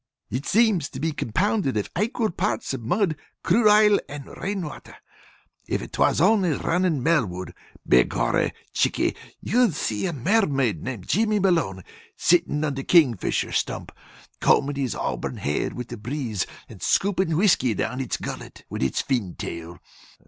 It seems to be compounded of aquil parts of mud, crude ile, and rain water. If 'twas only runnin' Melwood, be gorry, Chickie, you'd see a mermaid named Jimmy Malone sittin' on the Kingfisher Stump, combin' its auburn hair with a breeze, and scoopin' whiskey down its gullet with its tail fin.